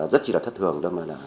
rất là thất thường